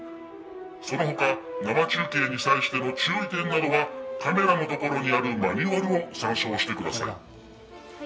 そのほか、生中継に関する注意点などはカメラのところにあるマニュアルを参照してください。